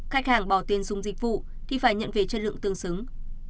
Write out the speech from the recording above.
khách hàng bỏ tiền dùng dịch vụ thì phải nhận về chất lượng tương xứng